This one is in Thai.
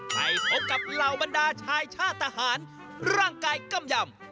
ให้พบกับเหล่าบรรดาชายชาติทหารร่างกายกำยำ